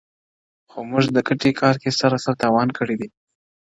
خو موږ د ګټي کار کي سراسر تاوان کړی دی _